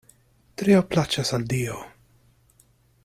Trio plaĉas al Dio.